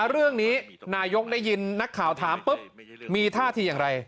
เรื่องนี้นายกได้ยินนักข่าวถามปุ๊บมีท่าทีอย่างไร